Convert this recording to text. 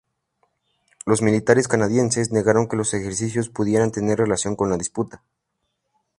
Los militares canadienses negaron que los ejercicios pudieran tener relación con la disputa.